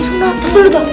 kita gak jadi sunat